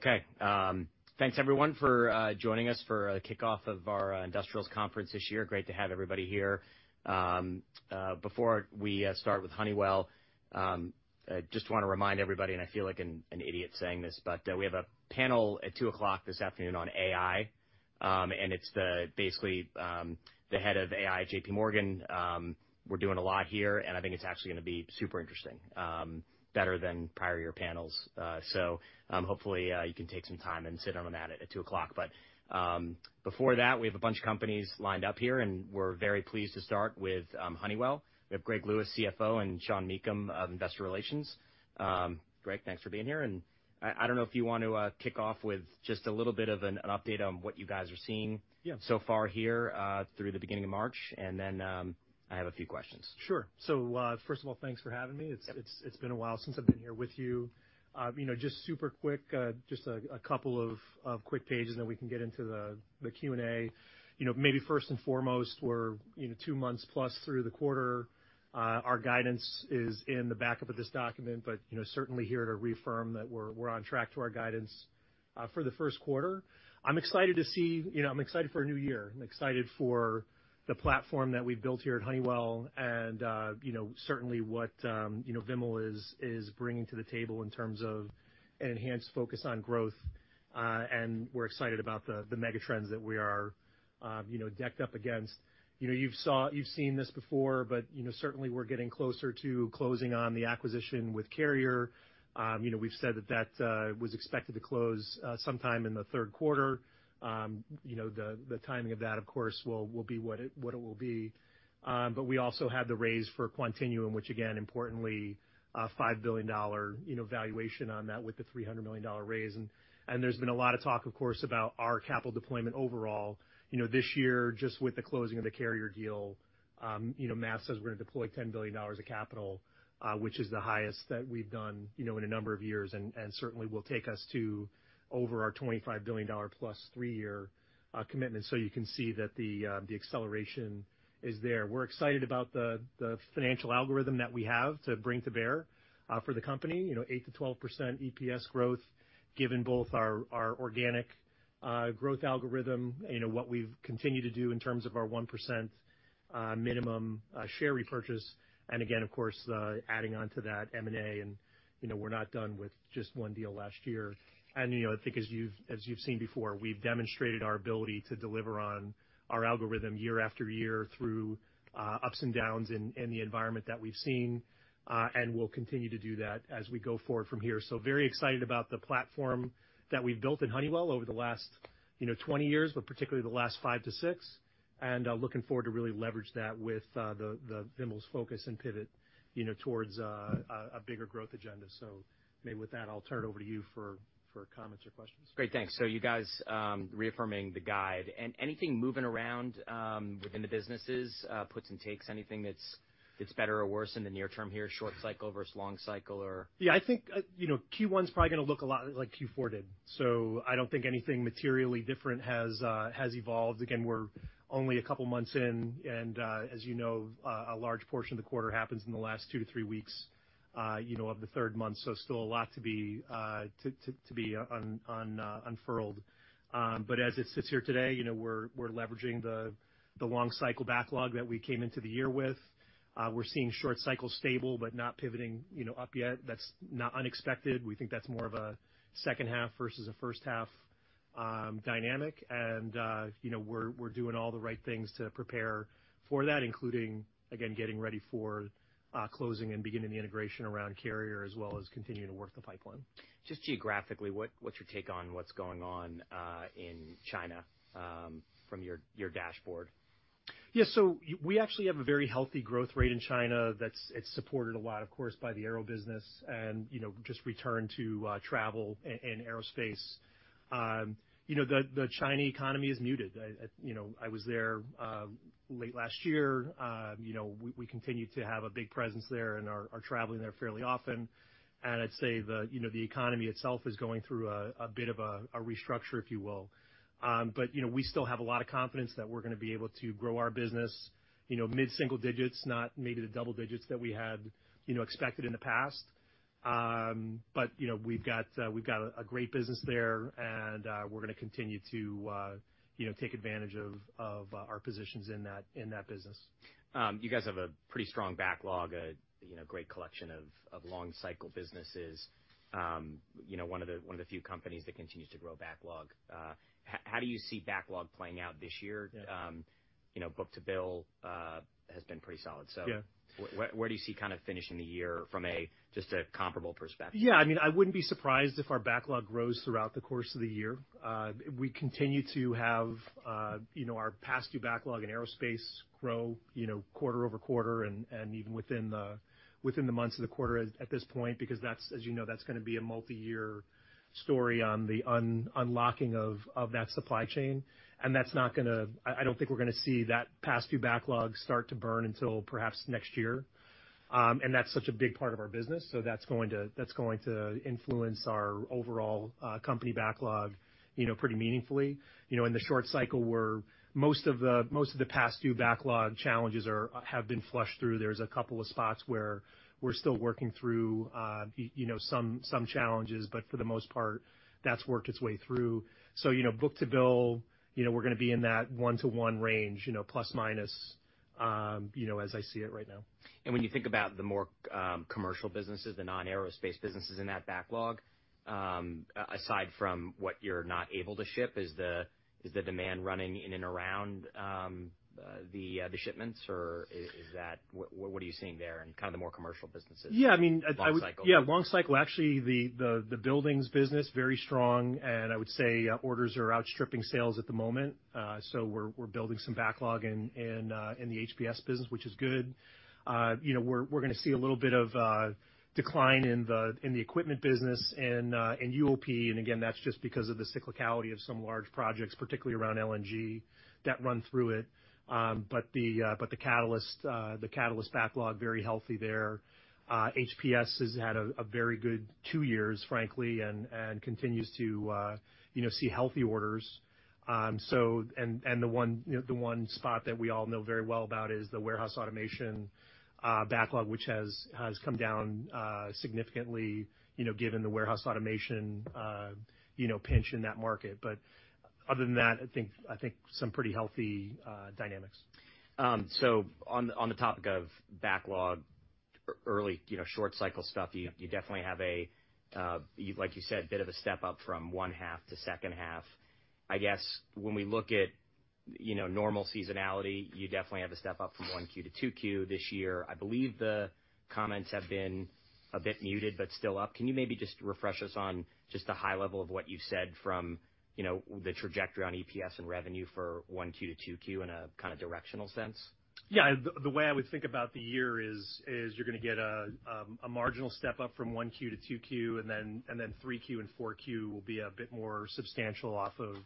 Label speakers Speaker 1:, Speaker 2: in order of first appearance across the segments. Speaker 1: Okay, thanks everyone for joining us for a kickoff of our industrials conference this year. Great to have everybody here. Before we start with Honeywell, just wanna remind everybody, and I feel like an idiot saying this, but we have a panel at 2:00 P.M. this afternoon on AI, and it's basically the head of AI, J.P. Morgan. We're doing a lot here, and I think it's actually gonna be super interesting, better than prior year panels. So, hopefully, you can take some time and sit in on that at 2:00 P.M. But before that, we have a bunch of companies lined up here, and we're very pleased to start with Honeywell. We have Greg Lewis, CFO, and Sean Meakim of investor relations. Greg, thanks for being here. I don't know if you wanna kick off with just a little bit of an update on what you guys are seeing.
Speaker 2: Yeah.
Speaker 1: So far here, through the beginning of March, and then, I have a few questions.
Speaker 2: Sure. So, first of all, thanks for having me. It's been a while since I've been here with you. You know, just super quick, just a couple of quick pages, and then we can get into the Q&A. You know, maybe first and foremost, we're, you know, two months plus through the quarter. Our guidance is in the backup of this document, but, you know, certainly reaffirming that we're on track to our guidance for the first quarter. I'm excited to see, you know, I'm excited for a new year. I'm excited for the platform that we've built here at Honeywell and, you know, certainly what, you know, Vimal is bringing to the table in terms of an enhanced focus on growth. And we're excited about the megatrends that we are, you know, stacked up against. You know, you've seen this before, but you know, certainly we're getting closer to closing on the acquisition with Carrier. You know, we've said that was expected to close sometime in the third quarter. You know, the timing of that, of course, will be what it will be. But we also had the raise for Quantinuum, which, again, importantly, $5 billion, you know, valuation on that with the $300 million raise. And there's been a lot of talk, of course, about our capital deployment overall. You know, this year, just with the closing of the Carrier deal, you know, Vimal says we're gonna deploy $10 billion of capital, which is the highest that we've done, you know, in a number of years, and certainly will take us to over our $25 billion plus three-year commitment. So you can see that the acceleration is there. We're excited about the financial algorithm that we have to bring to bear, for the company, you know, 8%-12% EPS growth given both our organic growth algorithm, you know, what we've continued to do in terms of our 1% minimum share repurchase. And again, of course, the adding onto that M&A, and, you know, we're not done with just one deal last year. And, you know, I think as you've seen before, we've demonstrated our ability to deliver on our algorithm year after year through ups and downs in the environment that we've seen, and we'll continue to do that as we go forward from here. So very excited about the platform that we've built at Honeywell over the last, you know, 20 years, but particularly the last five to six, and looking forward to really leverage that with the Vimal's focus and pivot, you know, towards a bigger growth agenda. So maybe with that, I'll turn it over to you for comments or questions.
Speaker 1: Great. Thanks. So you guys, reaffirming the guide. And anything moving around, within the businesses, puts and takes, anything that's, that's better or worse in the near term here, short cycle versus long cycle, or?
Speaker 2: Yeah. I think, you know, Q1's probably gonna look a lot like Q4 did. So I don't think anything materially different has evolved. Again, we're only a couple months in, and, as you know, a large portion of the quarter happens in the last two to three weeks, you know, of the third month. So still a lot to be unfurled. But as it sits here today, you know, we're leveraging the long cycle backlog that we came into the year with. We're seeing short cycle stable but not pivoting, you know, up yet. That's not unexpected. We think that's more of a second half versus a first half dynamic. And, you know, we're doing all the right things to prepare for that, including, again, getting ready for closing and beginning the integration around Carrier as well as continuing to work the pipeline.
Speaker 1: Just geographically, what, what's your take on what's going on in China from your, your dashboard?
Speaker 2: Yeah. So we actually have a very healthy growth rate in China that's supported a lot, of course, by the aero business and, you know, just return to travel and Aerospace. You know, the Chinese economy is muted. I, you know, I was there late last year. You know, we continue to have a big presence there and are traveling there fairly often. And I'd say, you know, the economy itself is going through a bit of a restructure, if you will. But you know, we still have a lot of confidence that we're gonna be able to grow our business, you know, mid-single digits, not maybe the double digits that we had, you know, expected in the past. But, you know, we've got a great business there, and we're gonna continue to, you know, take advantage of our positions in that business.
Speaker 1: You guys have a pretty strong backlog, you know, great collection of long cycle businesses. You know, one of the few companies that continues to grow backlog. How do you see backlog playing out this year?
Speaker 2: Yeah.
Speaker 1: You know, book-to-bill has been pretty solid, so.
Speaker 2: Yeah.
Speaker 1: Where do you see kind of finishing the year from just a comparable perspective?
Speaker 2: Yeah. I mean, I wouldn't be surprised if our backlog grows throughout the course of the year. We continue to have, you know, our past due backlog in Aerospace grow, you know, quarter-over-quarter and even within the months of the quarter at this point because that's, as you know, that's gonna be a multi-year story on the unlocking of that supply chain. And that's not gonna. I don't think we're gonna see that past due backlog start to burn until perhaps next year. And that's such a big part of our business, so that's going to influence our overall company backlog, you know, pretty meaningfully. You know, in the short cycle, most of the past due backlog challenges have been flushed through. There's a couple of spots where we're still working through, you know, some challenges, but for the most part, that's worked its way through. So, you know, book-to-bill, you know, we're gonna be in that 1:1 range, you know, ±, you know, as I see it right now.
Speaker 1: When you think about the more commercial businesses, the non-aerospace businesses in that backlog, aside from what you're not able to ship, is the demand running in and around the shipments, or is that what are you seeing there in kind of the more commercial businesses, long cycle?
Speaker 2: Yeah. I mean, I'd say yeah. Long cycle, actually, the buildings business, very strong, and I would say, orders are outstripping sales at the moment. So we're building some backlog in the HPS business, which is good. You know, we're gonna see a little bit of decline in the equipment business in UOP. And again, that's just because of the cyclicality of some large projects, particularly around LNG, that run through it. But the catalyst backlog, very healthy there. HPS has had a very good two years, frankly, and continues to, you know, see healthy orders. So and the one, you know, the one spot that we all know very well about is the warehouse automation backlog, which has come down significantly, you know, given the warehouse automation pinch in that market. But other than that, I think some pretty healthy dynamics.
Speaker 1: So on the topic of backlog, early, you know, short cycle stuff, you definitely have, like you said, a bit of a step up from first half to second half. I guess when we look at, you know, normal seasonality, you definitely have a step up from Q1 to Q2 this year. I believe the comments have been a bit muted but still up. Can you maybe just refresh us on just the high level of what you've said from, you know, the trajectory on EPS and revenue for Q1 to Q2 in a kind of directional sense?
Speaker 2: Yeah. The way I would think about the year is you're gonna get a marginal step up from 1Q to 2Q, and then 3Q and 4Q will be a bit more substantial off of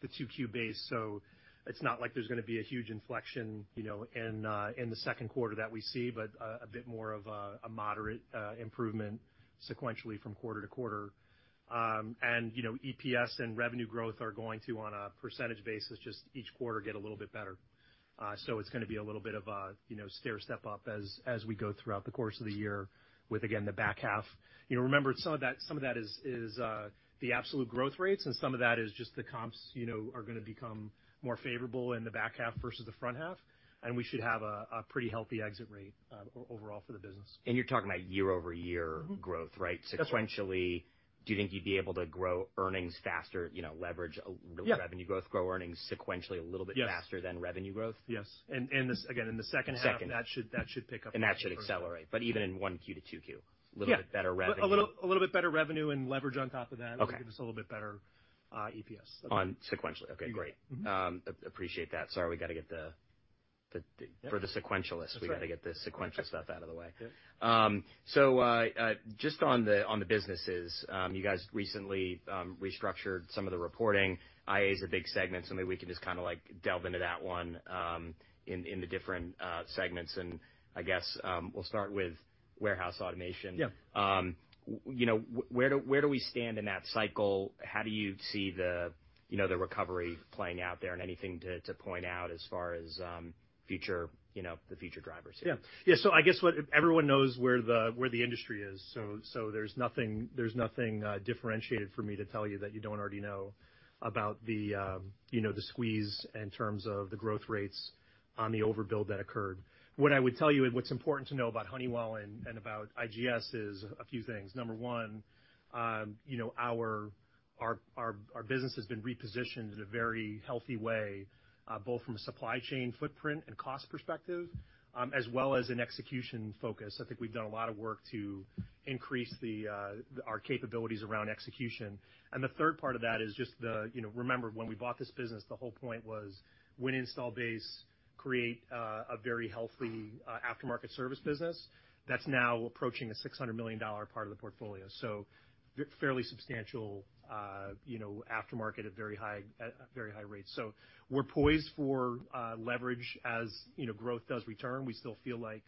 Speaker 2: the 2Q base. So it's not like there's gonna be a huge inflection, you know, in the second quarter that we see, but a bit more of a moderate improvement sequentially from quarter to quarter. You know, EPS and revenue growth are going to, on a percentage basis, just each quarter get a little bit better. So it's gonna be a little bit of a, you know, stair step up as we go throughout the course of the year with, again, the back half. You know, remember, some of that is the absolute growth rates, and some of that is just the comps, you know, are gonna become more favorable in the back half versus the front half. And we should have a pretty healthy exit rate, overall for the business.
Speaker 1: You're talking about year-over-year growth, right?
Speaker 2: That's right.
Speaker 1: Sequentially, do you think you'd be able to grow earnings faster, you know, leverage a revenue growth, grow earnings sequentially a little bit faster than revenue growth?
Speaker 2: Yes. Yes. And this again, in the second half.
Speaker 1: Second.
Speaker 2: That should pick up.
Speaker 1: That should accelerate, but even in 1Q to 2Q, a little bit better revenue.
Speaker 2: Yeah. A little bit better revenue and leverage on top of that.
Speaker 1: Okay.
Speaker 2: Gives us a little bit better EPS.
Speaker 1: On sequentially. Okay. Great.
Speaker 2: Mm-hmm.
Speaker 1: I appreciate that. Sorry. We gotta get the sequential stuff out of the way. So, just on the businesses, you guys recently restructured some of the reporting. IA's a big segment, so maybe we can just kind of, like, delve into that one in the different segments. I guess we'll start with warehouse automation.
Speaker 2: Yeah.
Speaker 1: You know, where do we stand in that cycle? How do you see the, you know, the recovery playing out there? And anything to point out as far as future, you know, the future drivers here?
Speaker 2: Yeah. Yeah. So I guess what everyone knows where the industry is. So there's nothing differentiated for me to tell you that you don't already know about the, you know, the squeeze in terms of the growth rates on the overbuild that occurred. What I would tell you and what's important to know about Honeywell and about IGS is a few things. Number one, you know, our business has been repositioned in a very healthy way, both from a supply chain footprint and cost perspective, as well as an execution focus. I think we've done a lot of work to increase our capabilities around execution. And the third part of that is just the, you know, remember, when we bought this business, the whole point was win install base, create a very healthy aftermarket service business. That's now approaching a $600 million part of the portfolio. So fairly substantial, you know, aftermarket at very high rates. So we're poised for leverage as, you know, growth does return. We still feel like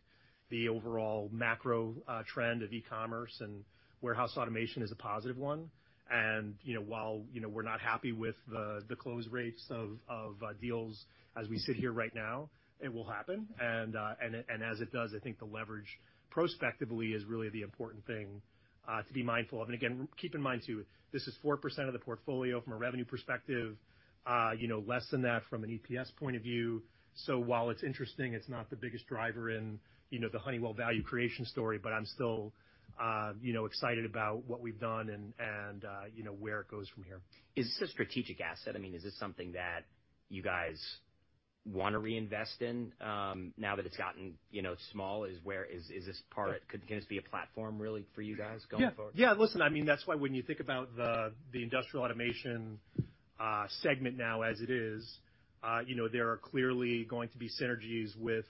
Speaker 2: the overall macro trend of e-commerce and warehouse automation is a positive one. And, you know, while, you know, we're not happy with the close rates of deals as we sit here right now, it will happen. And as it does, I think the leverage prospectively is really the important thing to be mindful of. And again, keep in mind too, this is 4% of the portfolio from a revenue perspective, you know, less than that from an EPS point of view. So while it's interesting, it's not the biggest driver in, you know, the Honeywell value creation story, but I'm still, you know, excited about what we've done and, you know, where it goes from here.
Speaker 1: Is this a strategic asset? I mean, is this something that you guys wanna reinvest in, now that it's gotten, you know, small? Is this part could this be a platform really for you guys going forward?
Speaker 2: Yeah. Yeah. Listen, I mean, that's why when you think about the Industrial Automation segment now as it is, you know, there are clearly going to be synergies with,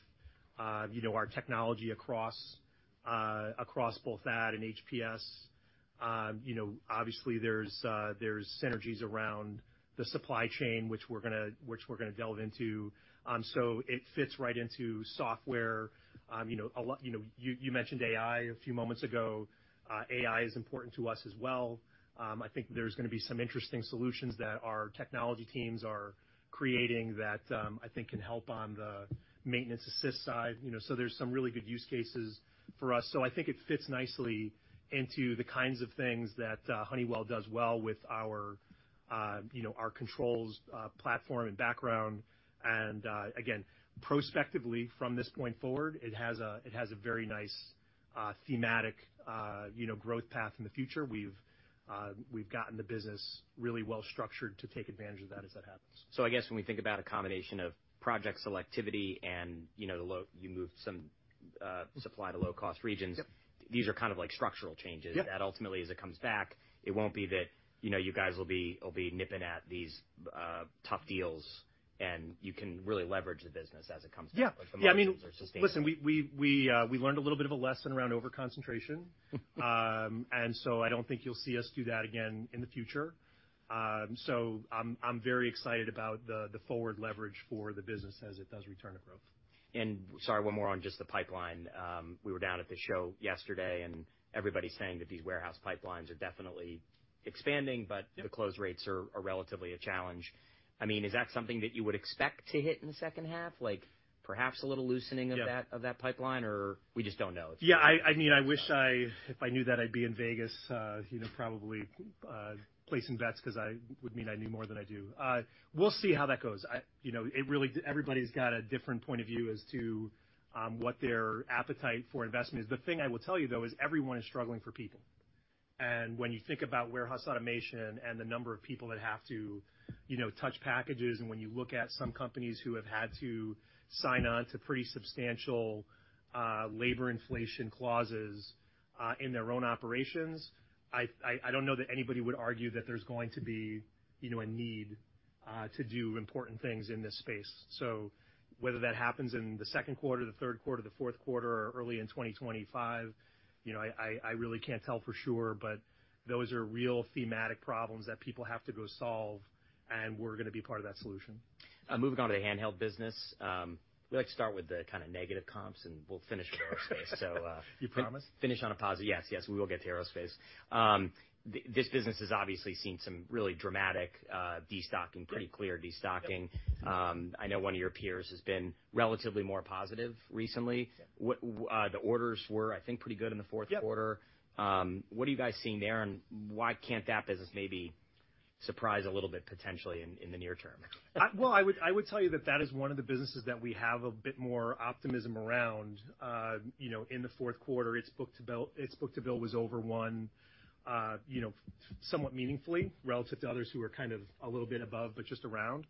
Speaker 2: you know, our technology across both that and HPS. You know, obviously, there's synergies around the supply chain, which we're gonna delve into. So it fits right into software. You know, a lot you know, you, you mentioned AI a few moments ago. AI is important to us as well. I think there's gonna be some interesting solutions that our technology teams are creating that, I think can help on the maintenance assist side. You know, so there's some really good use cases for us. So I think it fits nicely into the kinds of things that Honeywell does well with our, you know, our controls platform and background. Again, prospectively, from this point forward, it has a very nice, thematic, you know, growth path in the future. We've gotten the business really well structured to take advantage of that as that happens.
Speaker 1: I guess when we think about a combination of project selectivity and, you know, the low. You moved some supply to low-cost regions.
Speaker 2: Yep.
Speaker 1: These are kind of like structural changes that ultimately, as it comes back, it won't be that, you know, you guys will be nipping at these tough deals, and you can really leverage the business as it comes back.
Speaker 2: Yeah. Yeah. I mean.
Speaker 1: Like the markets are sustainable.
Speaker 2: Listen, we learned a little bit of a lesson around overconcentration. So I don't think you'll see us do that again in the future. So I'm very excited about the forward leverage for the business as it does return to growth.
Speaker 1: And sorry, one more on just the pipeline. We were down at the show yesterday, and everybody's saying that these warehouse pipelines are definitely expanding, but the close rates are relatively a challenge. I mean, is that something that you would expect to hit in the second half, like perhaps a little loosening of that.
Speaker 2: Yeah.
Speaker 1: Of that pipeline, or we just don't know?
Speaker 2: Yeah. I mean, I wish if I knew that, I'd be in Vegas, you know, probably placing bets 'cause I mean I knew more than I do. We'll see how that goes. I, you know, it really, everybody's got a different point of view as to what their appetite for investment is. The thing I will tell you, though, is everyone is struggling for people. When you think about warehouse automation and the number of people that have to, you know, touch packages, and when you look at some companies who have had to sign on to pretty substantial labor inflation clauses in their own operations, I don't know that anybody would argue that there's going to be, you know, a need to do important things in this space. So whether that happens in the second quarter, the third quarter, the fourth quarter, or early in 2025, you know, I really can't tell for sure, but those are real thematic problems that people have to go solve, and we're gonna be part of that solution.
Speaker 1: Moving on to the handheld business, we like to start with the kind of negative comps, and we'll finish with Aerospace, so.
Speaker 2: You promise?
Speaker 1: Finish on a positive. Yes. Yes. We will get to Aerospace. This business has obviously seen some really dramatic destocking, pretty clear destocking. I know one of your peers has been relatively more positive recently. What, what the orders were, I think, pretty good in the fourth quarter. What are you guys seeing there, and why can't that business maybe surprise a little bit potentially in the near term?
Speaker 2: Well, I would tell you that that is one of the businesses that we have a bit more optimism around. You know, in the fourth quarter, its book-to-bill was over 1, you know, somewhat meaningfully relative to others who were kind of a little bit above but just around.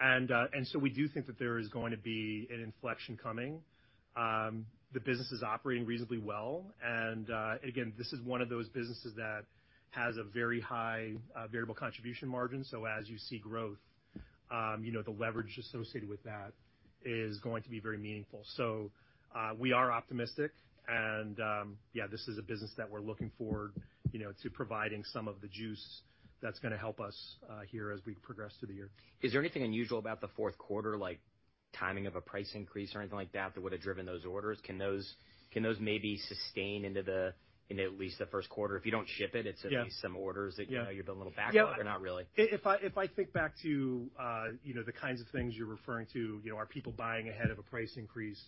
Speaker 2: And so we do think that there is going to be an inflection coming. The business is operating reasonably well, and, again, this is one of those businesses that has a very high variable contribution margin. So as you see growth, you know, the leverage associated with that is going to be very meaningful. We are optimistic, and, yeah, this is a business that we're looking forward, you know, to providing some of the juice that's gonna help us here as we progress through the year.
Speaker 1: Is there anything unusual about the fourth quarter, like timing of a price increase or anything like that that would have driven those orders? Can those maybe sustain into at least the first quarter? If you don't ship it, it's at least some orders that, you know, you're being a little backlogged or not really?
Speaker 2: Yeah. If I think back to, you know, the kinds of things you're referring to, you know, are people buying ahead of a price increase?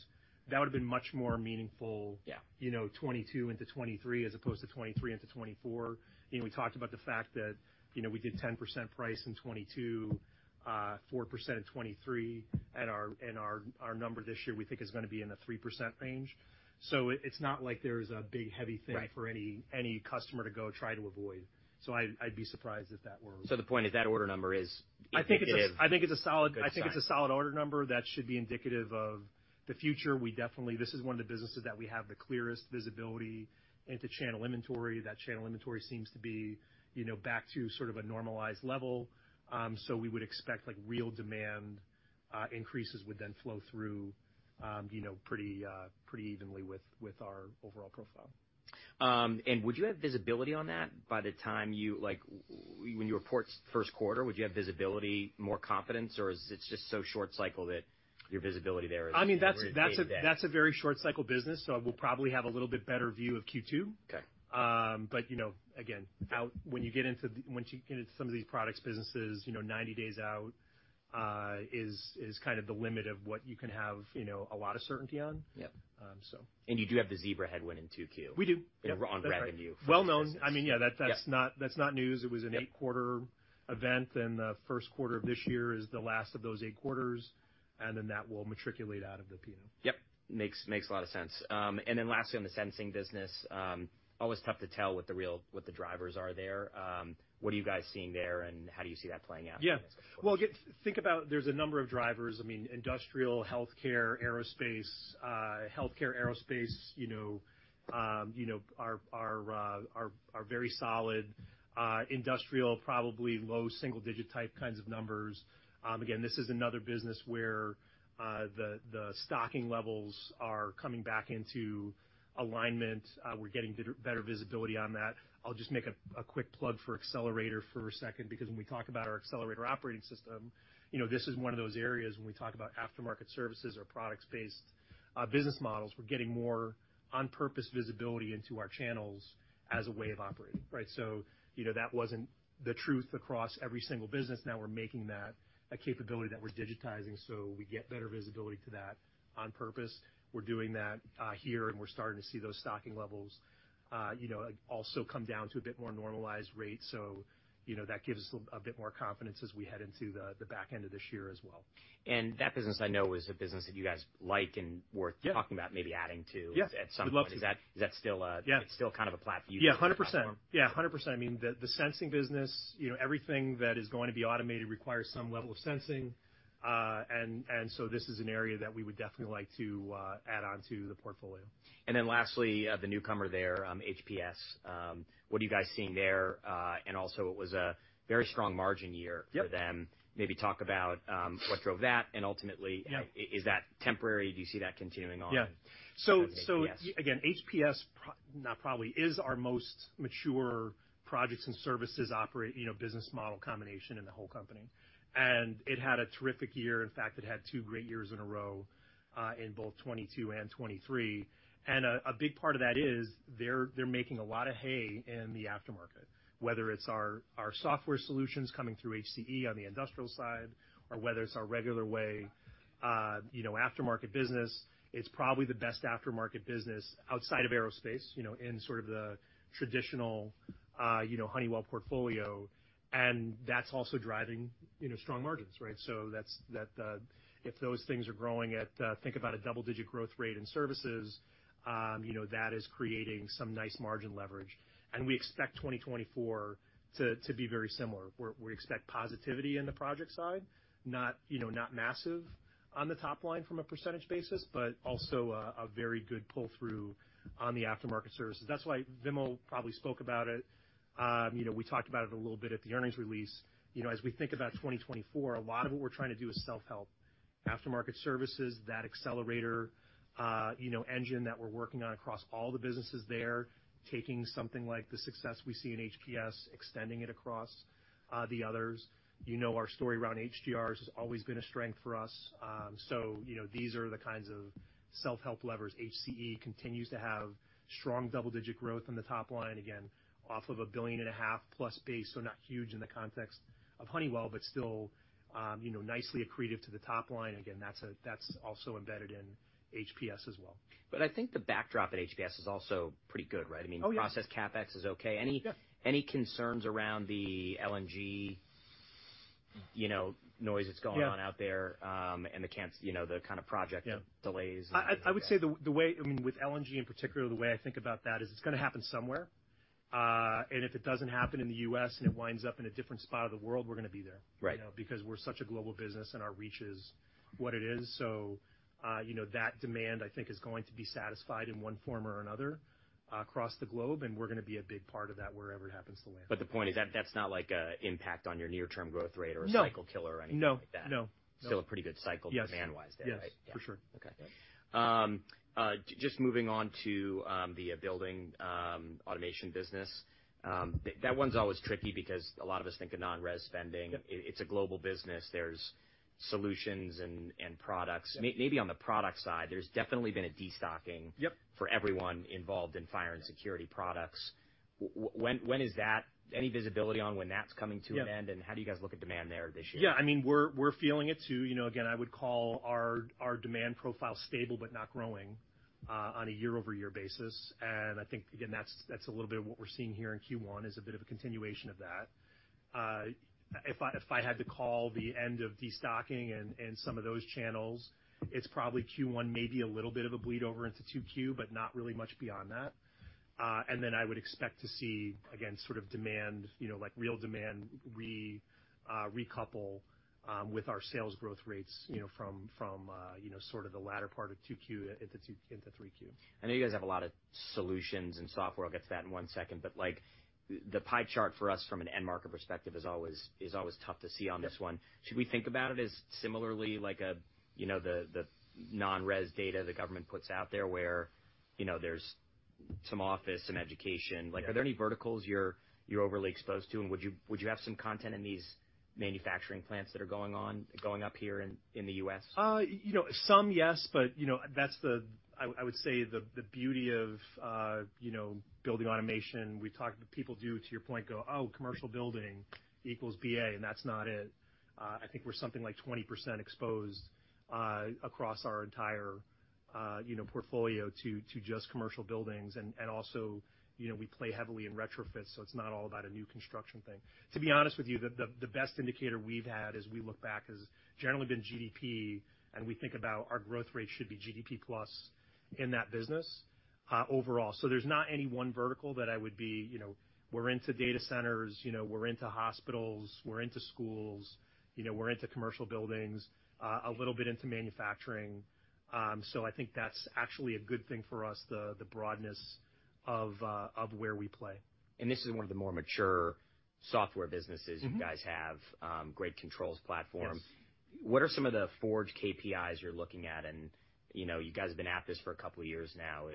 Speaker 2: That would have been much more meaningful.
Speaker 1: Yeah.
Speaker 2: You know, 2022 into 2023 as opposed to 2023 into 2024. You know, we talked about the fact that, you know, we did 10% price in 2022, 4% in 2023, and our number this year, we think, is gonna be in the 3% range. So it's not like there's a big heavy thing for any customer to go try to avoid. So I'd be surprised if that were.
Speaker 1: The point is that order number is indicative.
Speaker 2: I think it's a solid order number that should be indicative of the future. We definitely, this is one of the businesses that we have the clearest visibility into channel inventory. That channel inventory seems to be, you know, back to sort of a normalized level. So we would expect, like, real demand increases would then flow through, you know, pretty evenly with our overall profile.
Speaker 1: Would you have visibility on that by the time you like, when you report first quarter, would you have visibility, more confidence, or is it just so short cycle that your visibility there is pretty vague?
Speaker 2: I mean, that's a very short cycle business, so I will probably have a little bit better view of Q2.
Speaker 1: Okay.
Speaker 2: but, you know, again, when you get into some of these products, businesses, you know, 90 days out is kind of the limit of what you can have, you know, a lot of certainty on.
Speaker 1: Yep.
Speaker 2: so.
Speaker 1: You do have the Zebra headwind in Q2.
Speaker 2: We do. Yep.
Speaker 1: In re on revenue.
Speaker 2: Well-known. I mean, yeah, that's not news. It was an eight-quarter event, and the first quarter of this year is the last of those eight quarters, and then that will matriculate out of the P&L.
Speaker 1: Yep. Makes a lot of sense. Then lastly, on the sensing business, always tough to tell what the real drivers are there. What are you guys seeing there, and how do you see that playing out in the next couple of years?
Speaker 2: Yeah. Well, again, think about there's a number of drivers. I mean, industrial, healthcare, Aerospace. Healthcare, Aerospace, you know, are very solid. Industrial, probably low single-digit type kinds of numbers. Again, this is another business where the stocking levels are coming back into alignment. We're getting better visibility on that. I'll just make a quick plug for Accelerator for a second because when we talk about our accelerator operating system, you know, this is one of those areas when we talk about aftermarket services or products-based business models, we're getting more on-purpose visibility into our channels as a way of operating, right? So, you know, that wasn't the truth across every single business. Now we're making that a capability that we're digitizing so we get better visibility to that on purpose. We're doing that here, and we're starting to see those stocking levels, you know, also come down to a bit more normalized rate. So, you know, that gives us a bit more confidence as we head into the back end of this year as well.
Speaker 1: That business, I know, is a business that you guys like and worth talking about maybe adding to at some point.
Speaker 2: Yes. We'd love to.
Speaker 1: Is that still a, it's still kind of a platform?
Speaker 2: Yeah. 100%. Yeah. 100%. I mean, the sensing business, you know, everything that is going to be automated requires some level of sensing. So this is an area that we would definitely like to add onto the portfolio.
Speaker 1: And then lastly, the newcomer there, HPS. What are you guys seeing there? And also, it was a very strong margin year for them. Maybe talk about what drove that, and ultimately, is that temporary? Do you see that continuing on?
Speaker 2: Yeah. So, again, HPS probably is our most mature projects and services operating, you know, business model combination in the whole company. And it had a terrific year. In fact, it had two great years in a row, in both 2022 and 2023. And a big part of that is they're making a lot of hay in the aftermarket, whether it's our software solutions coming through HCE on the industrial side or whether it's our regular way, you know, aftermarket business. It's probably the best aftermarket business outside of Aerospace, you know, in sort of the traditional, you know, Honeywell portfolio. And that's also driving, you know, strong margins, right? So that's that, if those things are growing at, think about a double-digit growth rate in services, you know, that is creating some nice margin leverage. We expect 2024 to be very similar. We expect positivity in the project side, not you know not massive on the top line from a percentage basis, but also a very good pull-through on the aftermarket services. That's why Vimal probably spoke about it. You know, we talked about it a little bit at the earnings release. You know, as we think about 2024, a lot of what we're trying to do is self-help: aftermarket services, that accelerator, you know engine that we're working on across all the businesses there, taking something like the success we see in HPS, extending it across the others. You know, our story around HGRs has always been a strength for us. So you know, these are the kinds of self-help levers. HCE continues to have strong double-digit growth on the top line, again, off of a $1.5 billion-plus base, so not huge in the context of Honeywell, but still, you know, nicely accretive to the top line. Again, that's also embedded in HPS as well.
Speaker 1: But I think the backdrop at HPS is also pretty good, right? I mean.
Speaker 2: Oh, yeah.
Speaker 1: Process CapEx is okay. Any, any concerns around the LNG, you know, noise that's going on out there, and then, you know, the kind of project delays?
Speaker 2: Yeah. I would say the way I mean, with LNG in particular, the way I think about that is it's gonna happen somewhere. And if it doesn't happen in the U.S. and it winds up in a different spot of the world, we're gonna be there.
Speaker 1: Right.
Speaker 2: You know, because we're such a global business, and our reach is what it is. So, you know, that demand, I think, is going to be satisfied in one form or another, across the globe, and we're gonna be a big part of that wherever it happens to land.
Speaker 1: The point is that that's not like an impact on your near-term growth rate or a cycle killer or anything like that.
Speaker 2: No. No. No.
Speaker 1: Still a pretty good cycle demand-wise there, right?
Speaker 2: Yes. Yes. For sure.
Speaker 1: Okay. Just moving on to the Building Automation business. That one's always tricky because a lot of us think of non-res spending. It's a global business. There's solutions and products. Maybe on the product side, there's definitely been a destocking.
Speaker 2: Yep.
Speaker 1: For everyone involved in fire and security products. When is there any visibility on when that's coming to an end, and how do you guys look at demand there this year?
Speaker 2: Yeah. I mean, we're feeling it too. You know, again, I would call our demand profile stable but not growing, on a year-over-year basis. And I think, again, that's a little bit of what we're seeing here in Q1 is a bit of a continuation of that. If I had to call the end of destocking and some of those channels, it's probably Q1 maybe a little bit of a bleed over into Q2, but not really much beyond that. And then I would expect to see, again, sort of demand, you know, like real demand recouple, with our sales growth rates, you know, from, from, you know, sort of the latter part of Q2 into Q3.
Speaker 1: I know you guys have a lot of solutions and software. I'll get to that in one second. But, like, the pie chart for us from an end market perspective is always tough to see on this one. Should we think about it as similarly like a you know, the, the non-res data the government puts out there where, you know, there's some office, some education? Like, are there any verticals you're overly exposed to? And would you have some content in these manufacturing plants that are going up here in, in the U.S.?
Speaker 2: You know, some, yes, but, you know, that's the, I would say the beauty of, you know, Building Automation. We've talked. People do, to your point, go, "Oh, commercial building equals BA," and that's not it. I think we're something like 20% exposed, across our entire, you know, portfolio to just commercial buildings. And also, you know, we play heavily in retrofits, so it's not all about a new construction thing. To be honest with you, the best indicator we've had as we look back has generally been GDP, and we think about our growth rate should be GDP-plus in that business, overall. So there's not any one vertical that I would be, you know we're into data centers, you know, we're into hospitals, we're into schools, you know, we're into commercial buildings, a little bit into manufacturing. I think that's actually a good thing for us, the broadness of where we play.
Speaker 1: This is one of the more mature software businesses you guys have, great controls platform. What are some of the Forge KPIs you're looking at? And, you know, you guys have been at this for a couple of years now.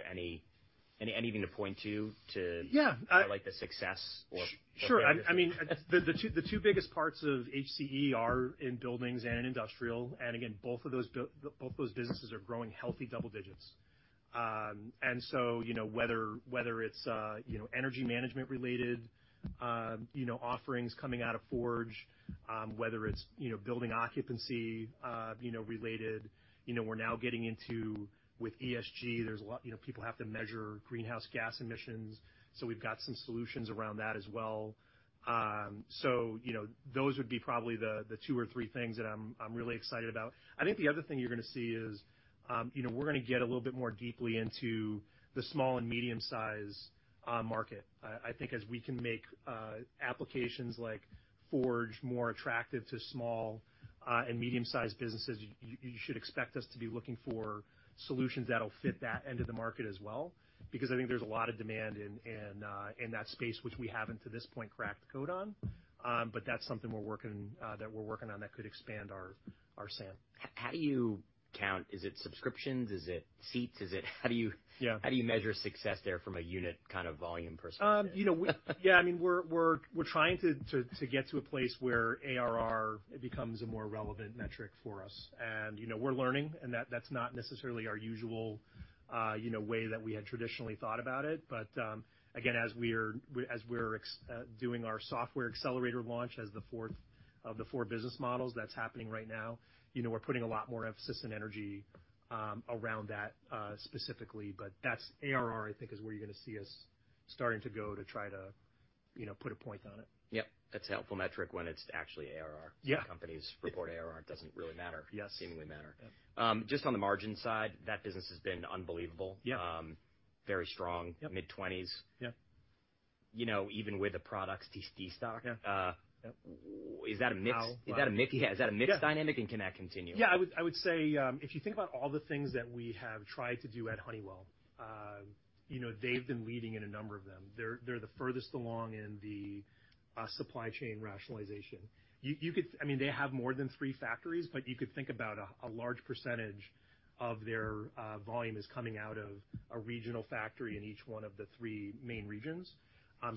Speaker 1: Anything to point to, to highlight the success or failures?
Speaker 2: Yeah. Sure. I mean, the two biggest parts of HCE are in buildings and in industrial. And again, both of those businesses are growing healthy double digits. So, you know, whether it's energy management-related offerings coming out of Forge, whether it's building occupancy related. You know, we're now getting into with ESG, there's a lot, you know, people have to measure greenhouse gas emissions, so we've got some solutions around that as well. So, you know, those would be probably the two or three things that I'm really excited about. I think the other thing you're gonna see is, you know, we're gonna get a little bit more deeply into the small and medium-sized market. I think as we can make applications like Forge more attractive to small- and medium-sized businesses, you should expect us to be looking for solutions that'll fit that end of the market as well because I think there's a lot of demand in that space, which we haven't to this point cracked code on. But that's something we're working on that could expand our SAM.
Speaker 1: How do you count? Is it subscriptions? Is it seats? Is it how do you measure success there from a unit kind of volume perspective?
Speaker 2: You know, we, yeah. I mean, we're trying to get to a place where ARR becomes a more relevant metric for us. And, you know, we're learning, and that's not necessarily our usual way that we had traditionally thought about it. But, again, as we're executing our software accelerator launch as the fourth of the four business models, that's happening right now, you know, we're putting a lot more emphasis in energy, around that, specifically. But that's ARR, I think, is where you're gonna see us starting to go to try to, you know, put a point on it.
Speaker 1: Yep. That's a helpful metric when it's actually ARR.
Speaker 2: Yeah.
Speaker 1: Companies report ARR. It doesn't really matter.
Speaker 2: Yes.
Speaker 1: Seemingly matter. Just on the margin side, that business has been unbelievable. Very strong, mid-20s.
Speaker 2: Yep. Yep.
Speaker 1: You know, even with the products de-destock, is that a mix? Is that a mix? Yeah. Is that a mixed dynamic, and can that continue?
Speaker 2: Yeah. I would say, if you think about all the things that we have tried to do at Honeywell, you know, they've been leading in a number of them. They're the furthest along in the supply chain rationalization. You could, I mean, they have more than three factories, but you could think about a large percentage of their volume is coming out of a regional factory in each one of the three main regions.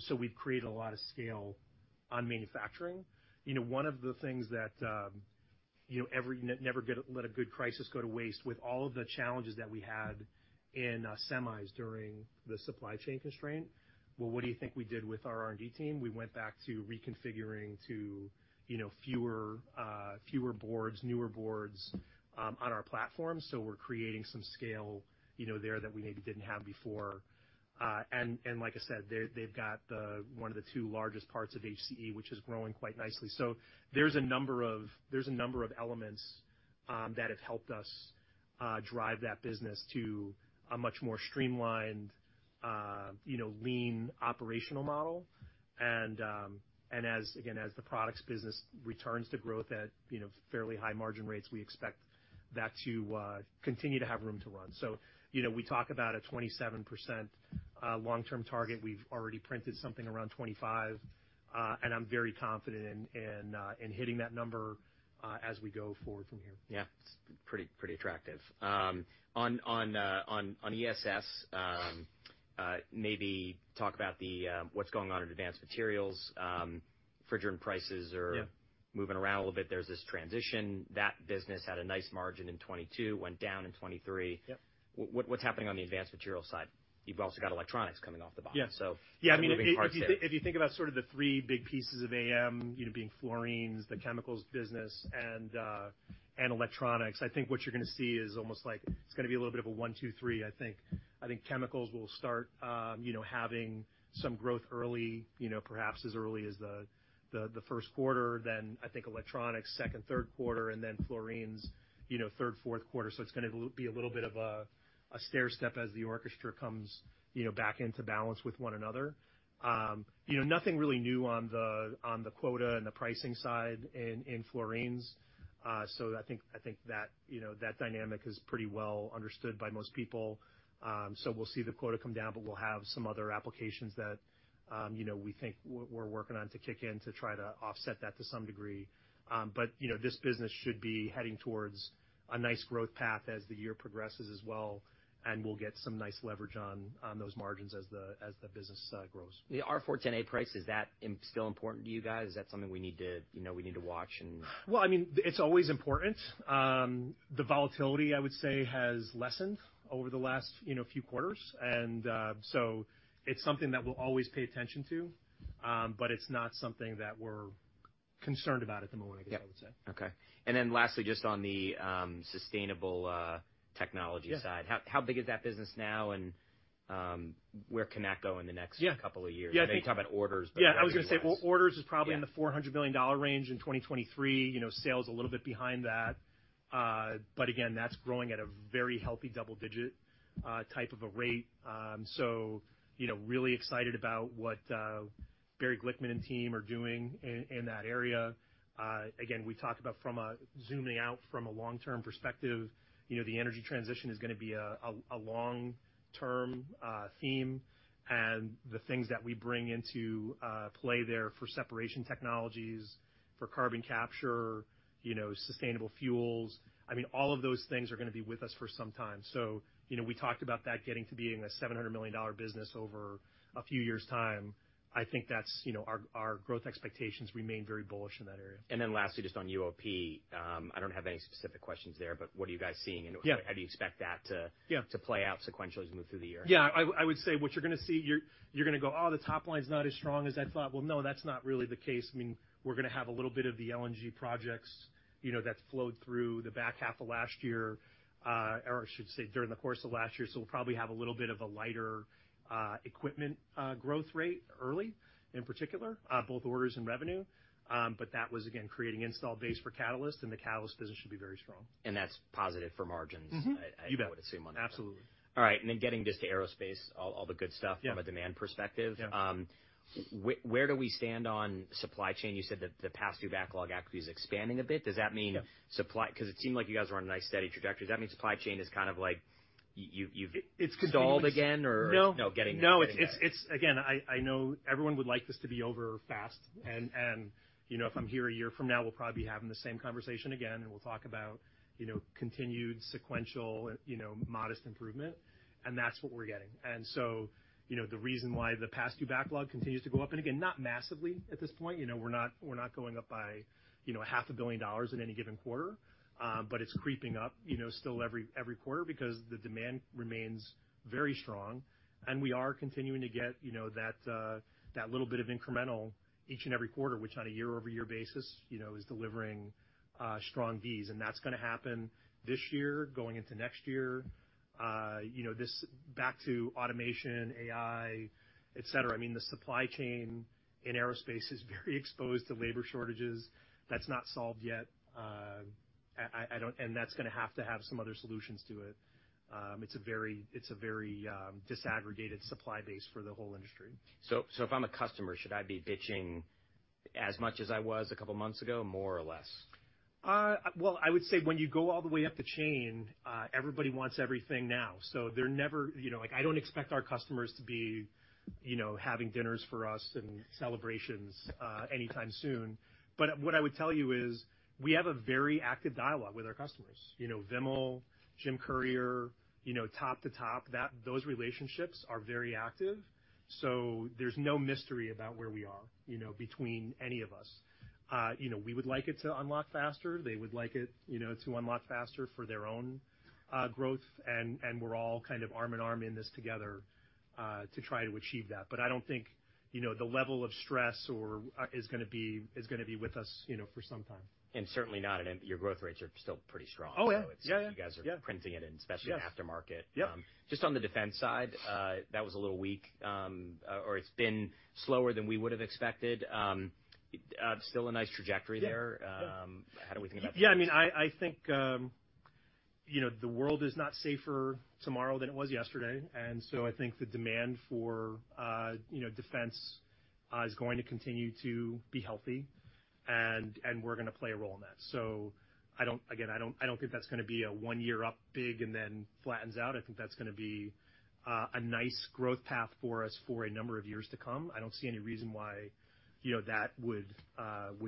Speaker 2: So we've created a lot of scale on manufacturing. You know, one of the things that, you know, never let a good crisis go to waste. With all of the challenges that we had in semis during the supply chain constraint, well, what do you think we did with our R&D team? We went back to reconfiguring to, you know, fewer boards, newer boards, on our platform. So we're creating some scale, you know, there that we maybe didn't have before. Like I said, they've got one of the two largest parts of HCE, which is growing quite nicely. So there's a number of elements that have helped us drive that business to a much more streamlined, you know, lean operational model. And as the products business returns to growth at, you know, fairly high margin rates, we expect that to continue to have room to run. So, you know, we talk about a 27% long-term target. We've already printed something around 25%, and I'm very confident in hitting that number, as we go forward from here.
Speaker 1: Yeah. It's pretty, pretty attractive. On ESS, maybe talk about what's going on at Advanced Materials. Freon and prices are moving around a little bit. There's this transition. That business had a nice margin in 2022, went down in 2023.
Speaker 2: Yep.
Speaker 1: What's happening on the Advanced Materials side? You've also got electronics coming off the bottom, so.
Speaker 2: Yeah. Yeah. I mean, if you think about sort of the three big pieces of AM, you know, being fluorines, the chemicals business, and electronics, I think what you're gonna see is almost like it's gonna be a little bit of a one, two, three, I think. I think chemicals will start, you know, having some growth early, you know, perhaps as early as the first quarter. Then I think electronics, second, third quarter, and then fluorines, you know, third, fourth quarter. So it's gonna be a little bit of a stairstep as the orchestra comes, you know, back into balance with one another. You know, nothing really new on the quota and the pricing side in fluorines. So I think that, you know, that dynamic is pretty well understood by most people. So we'll see the quota come down, but we'll have some other applications that, you know, we think we're working on to kick in to try to offset that to some degree. But, you know, this business should be heading towards a nice growth path as the year progresses as well, and we'll get some nice leverage on those margins as the business grows.
Speaker 1: The R410A price, is that still important to you guys? Is that something we need to, you know, we need to watch and?
Speaker 2: Well, I mean, it's always important. The volatility, I would say, has lessened over the last, you know, few quarters. So it's something that we'll always pay attention to, but it's not something that we're concerned about at the moment, I guess I would say.
Speaker 1: Yeah. Okay. And then lastly, just on the sustainable technology side. How big is that business now, and where can that go in the next couple of years? I know you talk about orders, but.
Speaker 2: Yeah. Yeah. I was gonna say orders is probably in the $400 million range in 2023. You know, sales a little bit behind that. But again, that's growing at a very healthy double-digit type of a rate. So, you know, really excited about what Barry Glickman and team are doing in that area. Again, we talk about from a zooming out from a long-term perspective, you know, the energy transition is gonna be a long-term theme. And the things that we bring into play there for separation technologies, for carbon capture, you know, sustainable fuels, I mean, all of those things are gonna be with us for some time. So, you know, we talked about that getting to being a $700 million business over a few years' time. I think that's, you know, our growth expectations remain very bullish in that area.
Speaker 1: Then lastly, just on UOP, I don't have any specific questions there, but what are you guys seeing? And how do you expect that to play out sequentially as we move through the year?
Speaker 2: Yeah. I would say what you're gonna see, you're gonna go, "Oh, the top line's not as strong as I thought." Well, no, that's not really the case. I mean, we're gonna have a little bit of the LNG projects, you know, that flowed through the back half of last year, or I should say during the course of last year. So we'll probably have a little bit of a lighter equipment growth rate early in particular, both orders and revenue. But that was, again, creating install base for catalyst, and the catalyst business should be very strong.
Speaker 1: That's positive for margins. I would assume on that front.
Speaker 2: You bet. Absolutely.
Speaker 1: All right. And then getting just to Aerospace, all, all the good stuff from a demand perspective. Where do we stand on supply chain? You said that the past-due backlog actually is expanding a bit. Does that mean supply 'cause it seemed like you guys were on a nice, steady trajectory. Does that mean supply chain is kind of like you've stalled again, or?
Speaker 2: It's continued. No.
Speaker 1: No, getting there?
Speaker 2: No. It's again, I know everyone would like this to be over fast. And, you know, if I'm here a year from now, we'll probably be having the same conversation again, and we'll talk about, you know, continued sequential, you know, modest improvement. And that's what we're getting. And so, you know, the reason why the past-due backlog continues to go up and again, not massively at this point. You know, we're not going up by, you know, $500 million in any given quarter. But it's creeping up, you know, still every quarter because the demand remains very strong. And we are continuing to get, you know, that little bit of incremental each and every quarter, which on a year-over-year basis, you know, is delivering strong Vs. And that's gonna happen this year, going into next year. You know, this back to automation, AI, etc. I mean, the supply chain in Aerospace is very exposed to labor shortages. That's not solved yet. I don't and that's gonna have to have some other solutions to it. It's a very disaggregated supply base for the whole industry.
Speaker 1: So, if I'm a customer, should I be bitching as much as I was a couple of months ago, more or less?
Speaker 2: Well, I would say when you go all the way up the chain, everybody wants everything now. So they're never, you know, like, I don't expect our customers to be, you know, having dinners for us and celebrations anytime soon. But what I would tell you is we have a very active dialogue with our customers, you know, Vimal, Jim Currier, you know, top to top. Those relationships are very active. So there's no mystery about where we are, you know, between any of us. You know, we would like it to unlock faster. They would like it, you know, to unlock faster for their own growth. And we're all kind of arm in arm in this together to try to achieve that. But I don't think, you know, the level of stress or is gonna be with us, you know, for some time.
Speaker 1: Certainly not any, your growth rates are still pretty strong. So it's.
Speaker 2: Oh, yeah. Yeah. Yeah.
Speaker 1: You guys are printing it, and especially aftermarket. Just on the defense side, that was a little weak. Or it's been slower than we would have expected. Still a nice trajectory there. How do we think about that?
Speaker 2: Yeah. Yeah. I mean, I think, you know, the world is not safer tomorrow than it was yesterday. And so I think the demand for, you know, defense, is going to continue to be healthy, and we're gonna play a role in that. So I don't, again, I don't think that's gonna be a one-year-up big and then flattens out. I think that's gonna be a nice growth path for us for a number of years to come. I don't see any reason why, you know, that would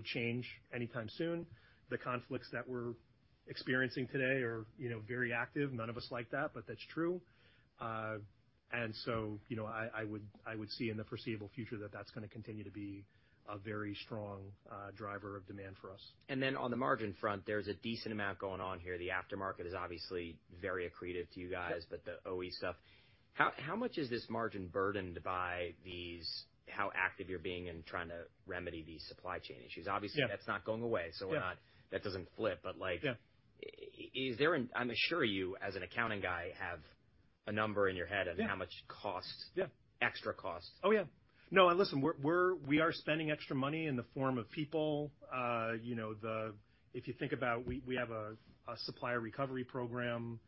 Speaker 2: change anytime soon. The conflicts that we're experiencing today are, you know, very active. None of us like that, but that's true. And so, you know, I would see in the foreseeable future that that's gonna continue to be a very strong driver of demand for us.
Speaker 1: And then on the margin front, there's a decent amount going on here. The aftermarket is obviously very accretive to you guys, but the OE stuff. How much is this margin burdened by these, how active you're being in trying to remedy these supply chain issues? Obviously, that's not going away, so we're not. That doesn't flip. But, like, is there an? I'm assuring you, as an accounting guy, have a number in your head of how much cost, extra cost.
Speaker 2: Oh, yeah. Oh, yeah. No. And listen, we're, we are spending extra money in the form of people. You know, if you think about we have a supplier recovery program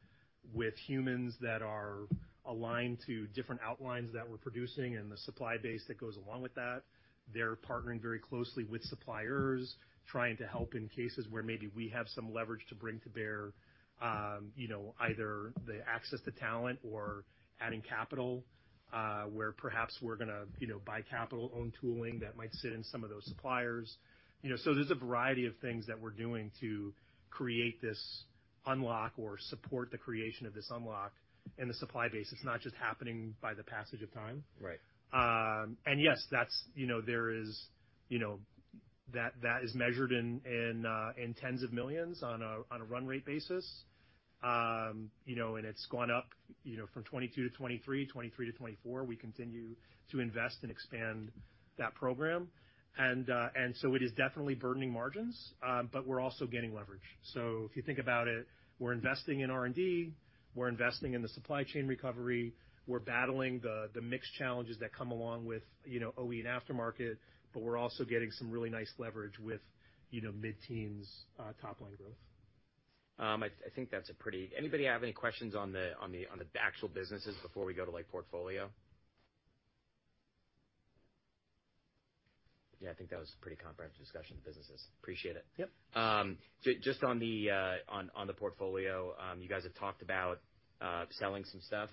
Speaker 2: with humans that are aligned to different outlines that we're producing and the supply base that goes along with that. They're partnering very closely with suppliers, trying to help in cases where maybe we have some leverage to bring to bear, you know, either the access to talent or adding capital, where perhaps we're gonna, you know, buy capital, own tooling that might sit in some of those suppliers. You know, so there's a variety of things that we're doing to create this unlock or support the creation of this unlock in the supply base. It's not just happening by the passage of time.
Speaker 1: Right.
Speaker 2: Yes, that's, you know, there is, you know, that is measured in tens of millions on a run-rate basis. You know, and it's gone up, you know, from 2022 to 2023, 2023 to 2024. We continue to invest and expand that program. And so it is definitely burdening margins, but we're also getting leverage. So if you think about it, we're investing in R&D. We're investing in the supply chain recovery. We're battling the mixed challenges that come along with, you know, OE and aftermarket, but we're also getting some really nice leverage with, you know, mid-teens top-line growth.
Speaker 1: I think that's pretty. Anybody have any questions on the actual businesses before we go to, like, portfolio? Yeah. I think that was a pretty comprehensive discussion of the businesses. Appreciate it.
Speaker 2: Yep.
Speaker 1: Just on the portfolio, you guys have talked about selling some stuff.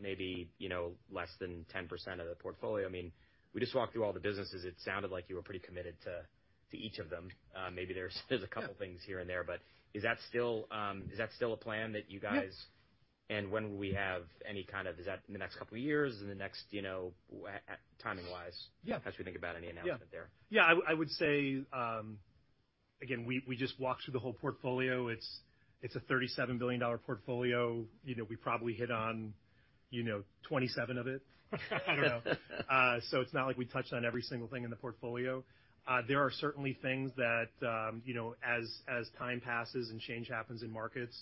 Speaker 1: Maybe, you know, less than 10% of the portfolio. I mean, we just walked through all the businesses. It sounded like you were pretty committed to each of them. Maybe there's a couple things here and there, but is that still a plan that you guys?
Speaker 2: Yeah.
Speaker 1: When will we have any kind of is that in the next couple of years, in the next, you know, timing-wise as we think about any announcement there?
Speaker 2: Yeah. Yeah. I, I would say, again, we, we just walked through the whole portfolio. It's, it's a $37 billion portfolio. You know, we probably hit on, you know, $27 billion of it. I don't know. So it's not like we touched on every single thing in the portfolio. There are certainly things that, you know, as, as time passes and change happens in markets,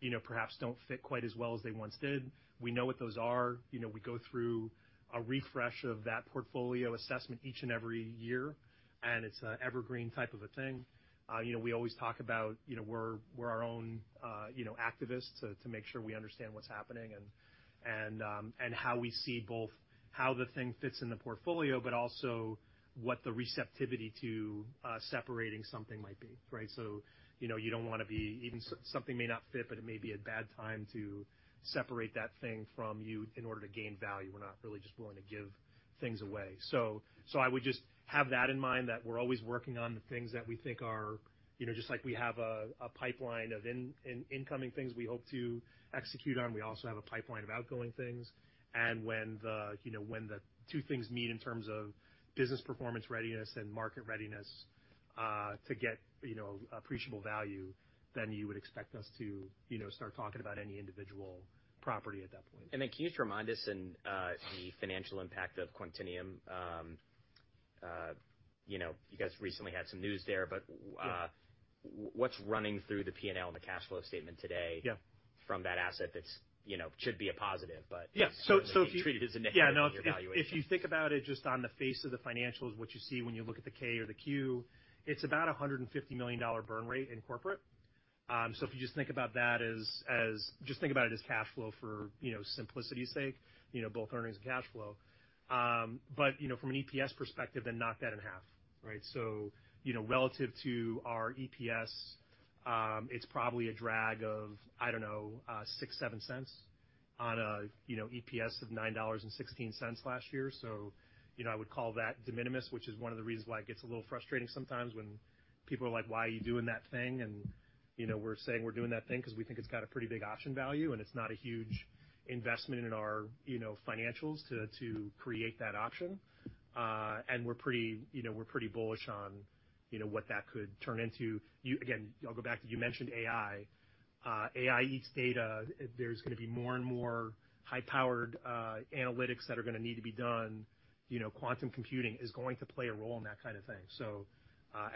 Speaker 2: you know, perhaps don't fit quite as well as they once did. We know what those are. You know, we go through a refresh of that portfolio assessment each and every year, and it's an evergreen type of a thing. You know, we always talk about, you know, we're our own, you know, activists to make sure we understand what's happening and how we see both how the thing fits in the portfolio, but also what the receptivity to separating something might be, right? So, you know, you don't wanna be even something may not fit, but it may be a bad time to separate that thing from you in order to gain value. We're not really just willing to give things away. So I would just have that in mind, that we're always working on the things that we think are you know, just like we have a pipeline of incoming things we hope to execute on, we also have a pipeline of outgoing things. When, you know, the two things meet in terms of business performance readiness and market readiness, to get, you know, appreciable value, then you would expect us to, you know, start talking about any individual property at that point.
Speaker 1: And then, can you just remind us of the financial impact of Quantinuum? You know, you guys recently had some news there, but what's running through the P&L and the cash flow statement today from that asset that's, you know, should be a positive, but you treat it as a negative valuation?
Speaker 2: Yeah. No. If you think about it just on the face of the financials, what you see when you look at the K or the Q, it's about a $150 million burn rate in corporate. So if you just think about that as cash flow for, you know, simplicity's sake, you know, both earnings and cash flow. But, you know, from an EPS perspective, then knock that in half, right? So, you know, relative to our EPS, it's probably a drag of, I don't know, $0.06, $0.07 on a, you know, EPS of $9.16 last year. So, you know, I would call that de minimis, which is one of the reasons why it gets a little frustrating sometimes when people are like, "Why are you doing that thing?" And, you know, we're saying we're doing that thing 'cause we think it's got a pretty big option value, and it's not a huge investment in our, you know, financials to, to create that option. And we're pretty you know, we're pretty bullish on, you know, what that could turn into. You again, I'll go back to you mentioned AI. AI eats data. There's gonna be more and more high-powered, analytics that are gonna need to be done. You know, quantum computing is going to play a role in that kind of thing. So,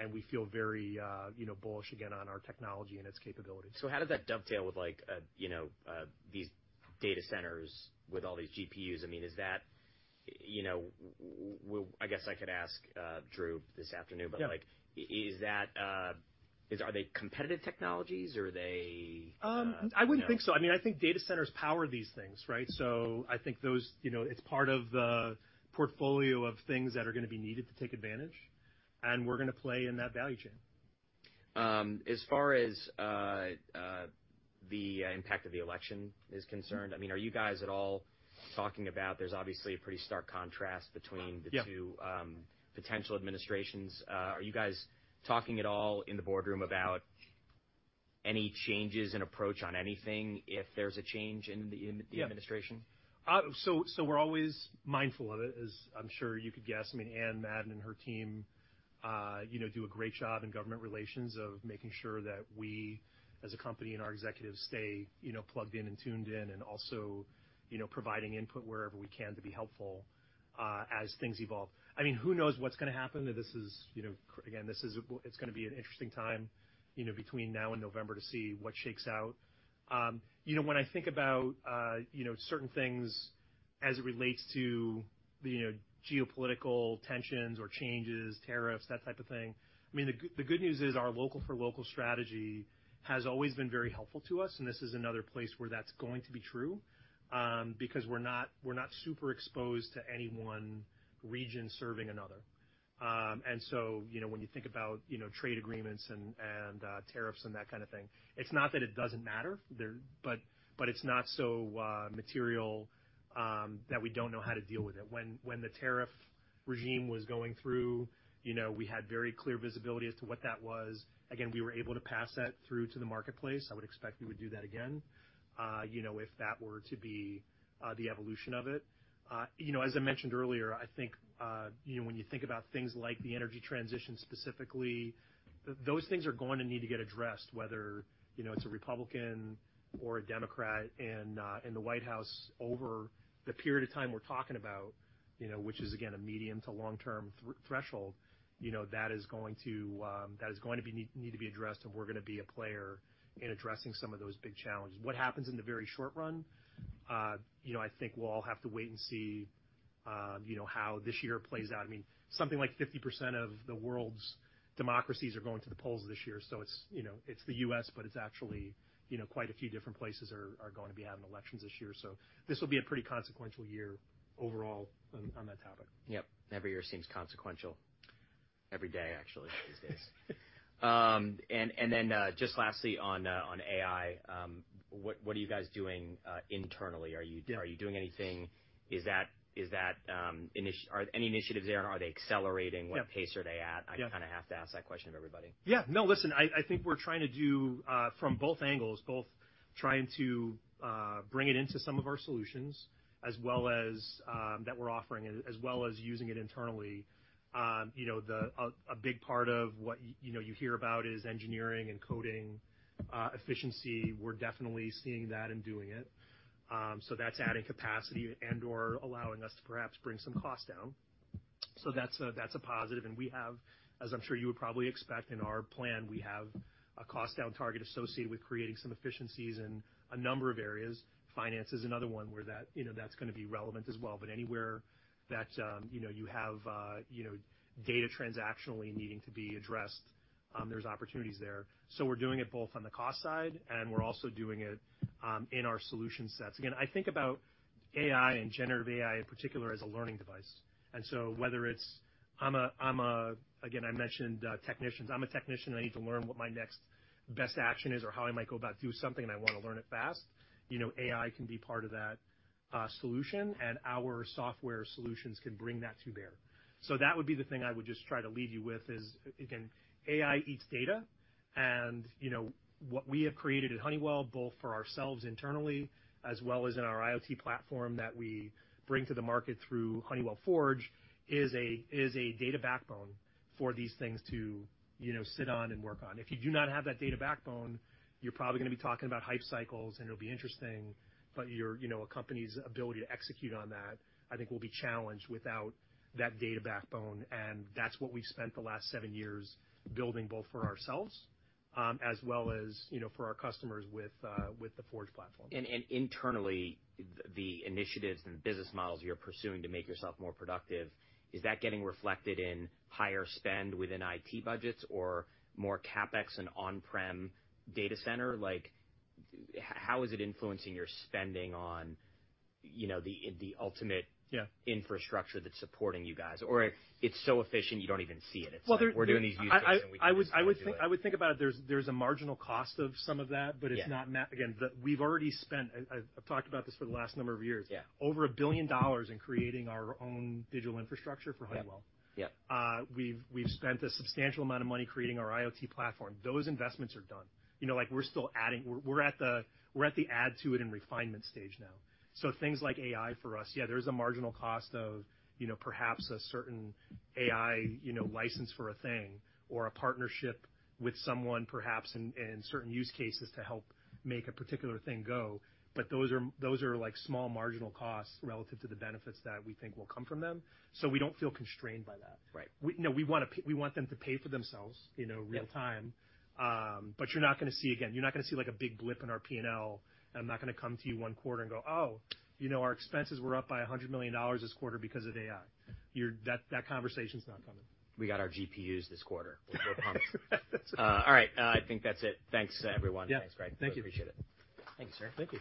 Speaker 2: and we feel very, you know, bullish again on our technology and its capabilities.
Speaker 1: So how does that dovetail with, like, you know, these data centers with all these GPUs? I mean, is that you know, well, I guess I could ask, Drew this afternoon, but, like, is that, are they competitive technologies, or are they?
Speaker 2: I wouldn't think so. I mean, I think data centers power these things, right? So I think those you know, it's part of the portfolio of things that are gonna be needed to take advantage, and we're gonna play in that value chain.
Speaker 1: As far as the impact of the election is concerned, I mean, are you guys at all talking about it? There's obviously a pretty stark contrast between the two potential administrations. Are you guys talking at all in the boardroom about any changes in approach on anything if there's a change in the administration?
Speaker 2: Yeah. So, so we're always mindful of it, as I'm sure you could guess. I mean, Anne Madden and her team, you know, do a great job in government relations of making sure that we, as a company and our executives, stay, you know, plugged in and tuned in and also, you know, providing input wherever we can to be helpful, as things evolve. I mean, who knows what's gonna happen? This is, you know, again, it's gonna be an interesting time, you know, between now and November to see what shakes out. You know, when I think about, you know, certain things as it relates to the, you know, geopolitical tensions or changes, tariffs, that type of thing, I mean, the good news is our local-for-local strategy has always been very helpful to us, and this is another place where that's going to be true, because we're not super exposed to any one region serving another. So, you know, when you think about, you know, trade agreements and tariffs and that kind of thing, it's not that it doesn't matter. But it's not so material that we don't know how to deal with it. When the tariff regime was going through, you know, we had very clear visibility as to what that was. Again, we were able to pass that through to the marketplace. I would expect we would do that again, you know, if that were to be, the evolution of it. You know, as I mentioned earlier, I think, you know, when you think about things like the energy transition specifically, those things are going to need to get addressed, whether, you know, it's a Republican or a Democrat in the White House over the period of time we're talking about, you know, which is, again, a medium- to long-term threshold, you know, that is going to, that is going to be need to be addressed, and we're gonna be a player in addressing some of those big challenges. What happens in the very short run, you know, I think we'll all have to wait and see, you know, how this year plays out. I mean, something like 50% of the world's democracies are going to the polls this year. So it's, you know, it's the U.S., but it's actually, you know, quite a few different places are going to be having elections this year. So this will be a pretty consequential year overall on that topic.
Speaker 1: Yep. Every year seems consequential every day, actually, these days. Then, just lastly on AI, what are you guys doing, internally? Are you doing anything? Is that initiating any initiatives there, and are they accelerating? What pace are they at? I kinda have to ask that question of everybody.
Speaker 2: Yeah. No. Listen, I think we're trying to do, from both angles, both trying to bring it into some of our solutions as well as that we're offering as well as using it internally. You know, a big part of what, you know, you hear about is engineering and coding efficiency. We're definitely seeing that and doing it. So that's adding capacity and/or allowing us to perhaps bring some cost down. So that's a positive. And we have, as I'm sure you would probably expect, in our plan, we have a cost-down target associated with creating some efficiencies in a number of areas. Finance is another one where that, you know, that's gonna be relevant as well. But anywhere that, you know, you have, you know, data transactionally needing to be addressed, there's opportunities there. So we're doing it both on the cost side, and we're also doing it in our solution sets. Again, I think about AI and generative AI in particular as a learning device. And so whether it's I'm a again, I mentioned, technicians. I'm a technician, and I need to learn what my next best action is or how I might go about doing something, and I wanna learn it fast. You know, AI can be part of that solution, and our software solutions can bring that to bear. So that would be the thing I would just try to leave you with is, again, AI eats data. You know, what we have created at Honeywell, both for ourselves internally as well as in our IoT platform that we bring to the market through Honeywell Forge, is a data backbone for these things to, you know, sit on and work on. If you do not have that data backbone, you're probably gonna be talking about hype cycles, and it'll be interesting, but your, you know, a company's ability to execute on that, I think, will be challenged without that data backbone. And that's what we've spent the last seven years building both for ourselves, as well as, you know, for our customers with the Forge platform.
Speaker 1: And internally, the initiatives and business models you're pursuing to make yourself more productive, is that getting reflected in higher spend within IT budgets or more CapEx in on-prem data center? Like, how is it influencing your spending on, you know, the ultimate infrastructure that's supporting you guys? Or it's so efficient, you don't even see it. It's, "We're doing these uses, and we can do this.
Speaker 2: Well, I would think about it. There's a marginal cost of some of that, but it's not major again. We've already spent. I've talked about this for the last number of years, over $1 billion in creating our own digital infrastructure for Honeywell. We've spent a substantial amount of money creating our IoT platform. Those investments are done. You know, like, we're still adding. We're at the add-to-it and refinement stage now. So things like AI, for us, yeah, there's a marginal cost of, you know, perhaps a certain AI, you know, license for a thing or a partnership with someone, perhaps, in certain use cases to help make a particular thing go. But those are, like, small marginal costs relative to the benefits that we think will come from them. We don't feel constrained by that.
Speaker 1: Right.
Speaker 2: We want them to pay for themselves, you know, real-time. But you're not gonna see, like, a big blip in our P&L, and I'm not gonna come to you one quarter and go, "Oh, you know, our expenses, we're up by $100 million this quarter because of AI." That conversation's not coming.
Speaker 1: We got our GPUs this quarter. We're, we're promising. All right. I think that's it. Thanks, everyone. Thanks, Greg.
Speaker 2: Yeah. Thank you.
Speaker 1: I appreciate it. Thank you, sir.
Speaker 2: Thank you.